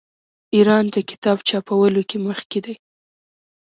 ایران د کتاب چاپولو کې مخکې دی.